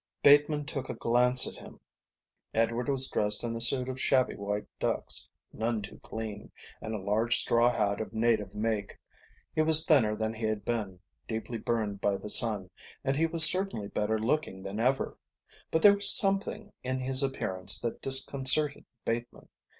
Bateman took a glance at him. Edward was dressed in a suit of shabby white ducks, none too clean, and a large straw hat of native make. He was thinner than he had been, deeply burned by the sun, and he was certainly better looking than ever. But there was something in his appearance that disconcerted Bateman.